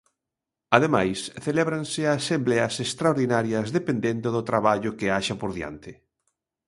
Ademais celébranse asembleas extraordinarias dependendo do traballo que haxa por diante.